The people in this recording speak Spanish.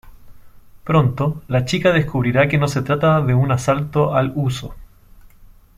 Pronto, la chica descubrirá que no se trata de un asalto al uso